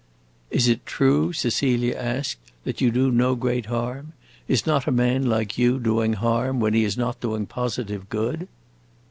"Is it true," Cecilia asked, "that here you do no great harm? Is not a man like you doing harm when he is not doing positive good?"